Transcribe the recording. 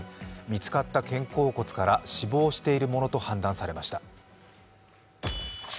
見つかった肩甲骨から死亡しているものと判断されました。